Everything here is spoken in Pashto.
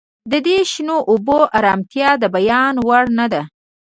د دې شنو اوبو ارامتیا د بیان وړ نه ده